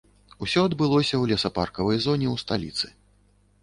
Усё адбылося ў лесапаркавай зоне ў сталіцы.